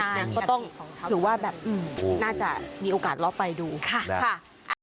ยังก็ต้องถือว่าแบบน่าจะมีโอกาสลองไปดูค่ะ